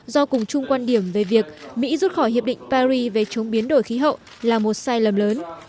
do cùng chung quan điểm về việc mỹ rút khỏi hiệp định paris về chống biến đổi khí hậu là một sai lầm lớn